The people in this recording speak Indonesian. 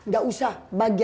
gausah bagian gue aja